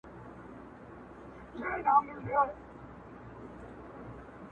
وروسته له ده د چا نوبت وو رڼا څه ډول وه,